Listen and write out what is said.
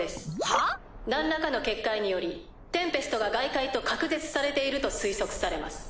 はぁ⁉何らかの結界によりテンペストが外界と隔絶されていると推測されます。